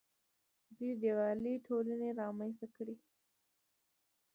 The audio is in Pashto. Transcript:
دوی د یووالي ټولنې رامنځته کړې